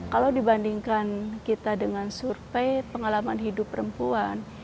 kalau dibandingkan kita dengan survei pengalaman hidup perempuan